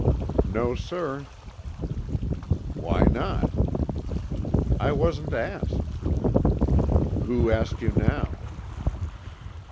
"No, sir." "Why not?" "I wasn't asked." "Who asked you now?"